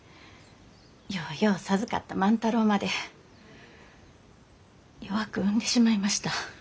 ようよう授かった万太郎まで弱く産んでしまいました。